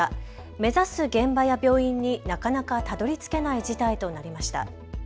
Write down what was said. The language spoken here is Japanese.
目指す現場や病院になかなかたどりつけない事態となりました。